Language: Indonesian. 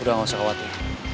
udah gak usah khawatir